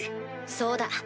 そうだ。